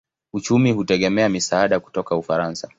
Uchumi hutegemea misaada kutoka Ufaransa.